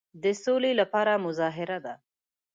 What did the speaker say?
د سولي لپاره مظاهره ده.